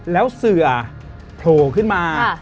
แล้วเสือโผล่ขึ้นมา